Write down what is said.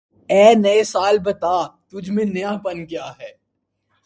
اے نئے سال بتا، تُجھ میں نیا پن کیا ہے؟